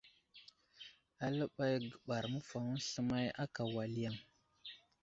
Aləɓay guɓar məfahoŋ sləmay ákà wal yaŋ.